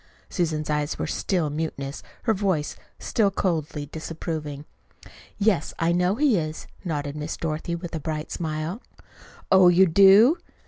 Susan's eyes were still mutinous, her voice still coldly disapproving. "Yes, I know he is," nodded Miss Dorothy with a bright smile. "Oh, you do!"